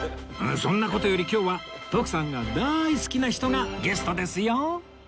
そんな事より今日は徳さんが大好きな人がゲストですよ